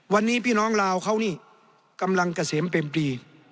วันนี้พี่น้องลาวเขานี่กำลังเกษมเต็มปี